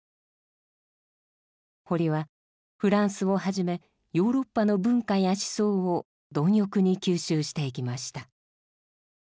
堀はフランスをはじめヨーロッパの文化や思想を貪欲に吸収していきました。